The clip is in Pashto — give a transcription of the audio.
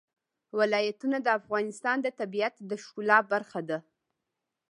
ولایتونه د افغانستان د طبیعت د ښکلا برخه ده.